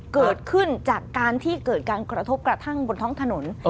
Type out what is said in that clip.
เกิดขึ้นจากการที่เกิดการกระทบกระทั่งบนท้องถนน